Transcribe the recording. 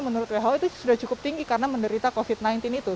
menurut who itu sudah cukup tinggi karena menderita covid sembilan belas itu